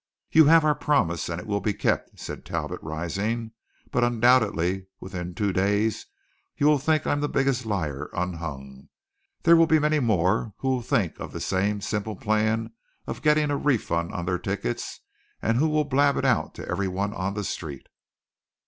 "You have our promise, and it will be kept," said Talbot rising. "But undoubtedly within two days you will think I am the biggest liar unhung. There will be many more who will think of this same simple plan of getting a refund on their tickets and who will blab it out to every one on the street.